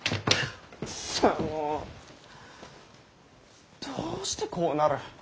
くそぉどうしてこうなる？